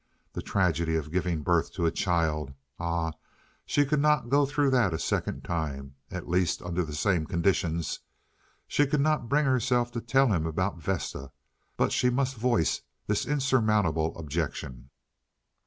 The tragedy of giving birth to a child—ah, she could not go through that a second time, at least under the same conditions. She could not bring herself to tell him about Vesta, but she must voice this insurmountable objection.